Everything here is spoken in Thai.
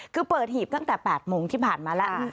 คือเปิดหีบตั้งแต่๘โมงที่ผ่านมาแล้ว